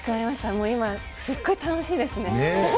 もう今、すっごい楽しいですね。